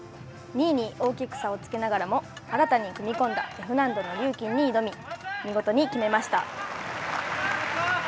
２位に大きく差をつけながらも新たに組み込んだＦ難度のリューキンに挑み見事に決めました。